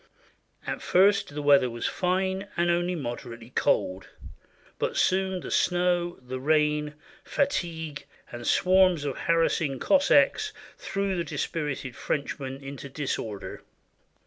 At first the weather was fine and only moderately cold; but soon the snow, the rain, fatigue, and swarms of harassing Cossacks threw the dispirited French men into disorder.